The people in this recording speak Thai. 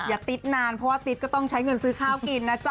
ติ๊ดนานเพราะว่าติ๊ดก็ต้องใช้เงินซื้อข้าวกินนะจ๊